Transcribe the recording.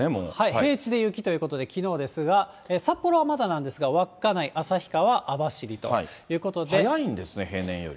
平地で雪ということで、きのうですが、札幌はまだなんですが、稚内、旭川、早いんですね、平年より。